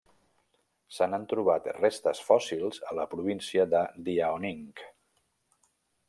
Se n'han trobat restes fòssils a la província de Liaoning.